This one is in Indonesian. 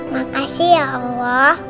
makasih ya allah